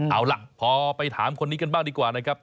เอาล่ะพอไปถามคนนี้กันบ้างดีกว่านะครับ